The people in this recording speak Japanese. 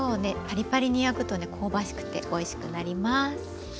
パリパリに焼くとね香ばしくておいしくなります。